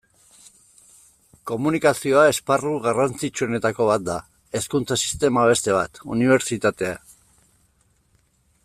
Komunikazioa esparru garrantzitsuetako bat da, hezkuntza sistema beste bat, unibertsitatea...